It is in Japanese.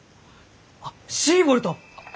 あっシーボルト！？